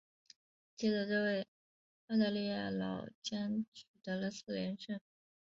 接着这位澳大利亚老将取得了四连胜。